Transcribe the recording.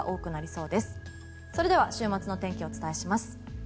それでは週末の天気をお伝えします。